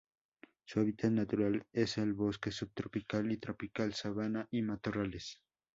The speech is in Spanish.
Su hábitat natural es el bosque subtropical y tropical, sabana, y matorrales.